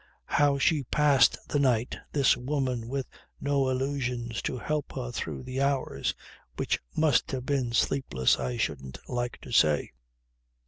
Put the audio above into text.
How she passed the night, this woman with no illusions to help her through the hours which must have been sleepless I shouldn't like to say.